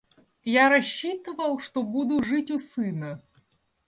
Я рассчитывал, что буду жить у сына.